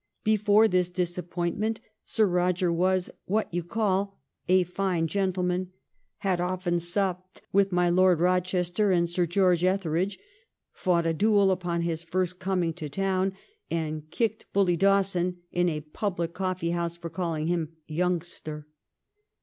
'Before this disappoint ment. Sir Eoger was what you call a fine gentleman, had often supped with my Lord Eochester and Sir George Etherege, fought a duel upon his first coming to town, and kicked bully Dawson in a public coffee house for calling him youngster.'